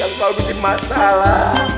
yang kamu bikin masalah